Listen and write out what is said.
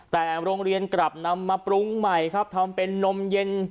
แต่โรงเรียนกลับนำมาปรุงใหม่ครับทำเป็นนมเย็น